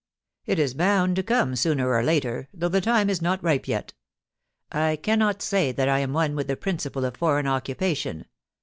It is bound to come sooner or later, though the time is not ripe yet I cannot say that I am one with the principle of foreign occupation.